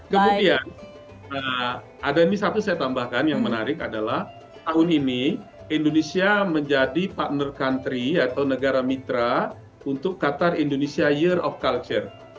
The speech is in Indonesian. kemudian ada ini satu saya tambahkan yang menarik adalah tahun ini indonesia menjadi partner country atau negara mitra untuk qatar indonesia year of culture